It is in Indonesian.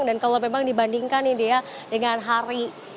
dan kalau memang dibandingkan ini ya dengan hari